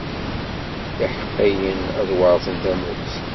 Iḥeqqiyen ad weṛten tamurt.